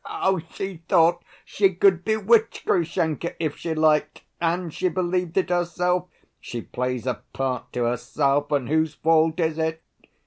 She thought she could bewitch Grushenka if she liked, and she believed it herself: she plays a part to herself, and whose fault is it?